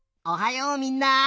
おはようみんな！